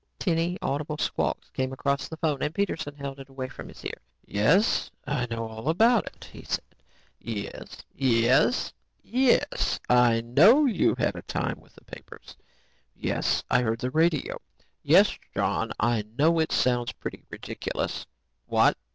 Tinny, audible squawks came from the phone and Peterson held it away from his ear. "Yes, I know all about it," he said. "Yes ... yes ... yes. I know you've had a time with the papers. Yes, I heard the radio. Yes, John, I know it sounds pretty ridiculous. What?